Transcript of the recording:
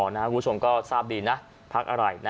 ผู้ชมก็ทราบดีนะพรรคอะไร